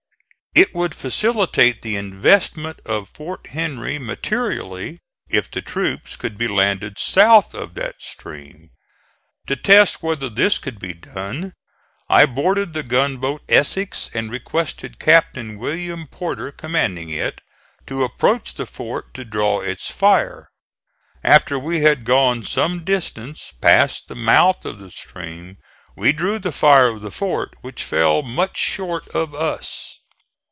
It would facilitate the investment of Fort Henry materially if the troops could be landed south of that stream. To test whether this could be done I boarded the gunboat Essex and requested Captain Wm. Porter commanding it, to approach the fort to draw its fire. After we had gone some distance past the mouth of the stream we drew the fire of the fort, which fell much short of us.